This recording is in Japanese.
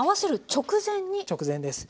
直前です。